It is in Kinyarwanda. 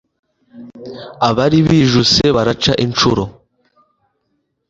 abari bijuse baraca incuro